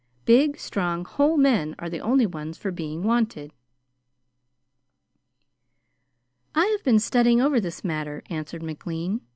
Big, strong, whole men are the only ones for being wanted." "I have been studying over this matter," answered McLean.